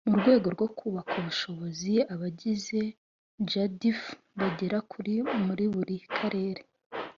mu rwego rwo kubaka ubushobozi abagize jadf bagera kuri muri buri karere